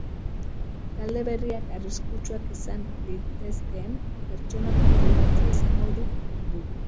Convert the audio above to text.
Talde berriak arriskutsuak izan litezkeen pertsonak kontrolatzea izango du helburu.